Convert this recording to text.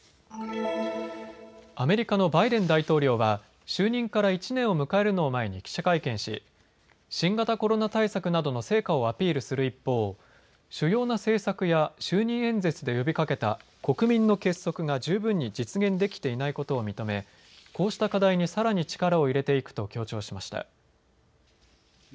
アメリカのバイデン大統領は就任から１年を迎えるのを前に記者会見し新型コロナ対策などの成果をアピールする一方、主要な政策や就任演説で呼びかけた国民の結束が十分に実現できていないことを認めこうした課題にさらに力を入れていくと強調しました。